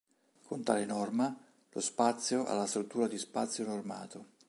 Con tale norma, lo spazio ha la struttura di spazio normato.